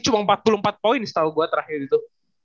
cuma empat puluh empat poin setahu gue terakhir itu